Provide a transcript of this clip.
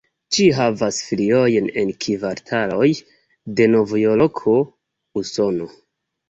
Ĝi havas filiojn en kvartaloj de Novjorko, Usono.